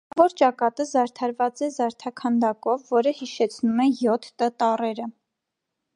Գլխավոր ճակատը զարդարված է զարդաքանդակով, որը հիշեցնում է յոթ «Տ» տառերը։